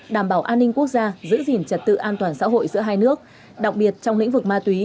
đảm bảo an ninh quốc gia giữ gìn trật tự an toàn xã hội giữa hai nước đặc biệt trong lĩnh vực ma túy